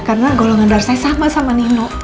karena golongan darah saya sama sama nino